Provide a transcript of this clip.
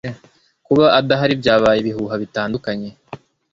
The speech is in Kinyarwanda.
Kuba adahari byabyaye ibihuha bitandukanye.